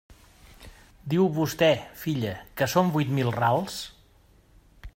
Diu vostè, filla, que són huit mil rals?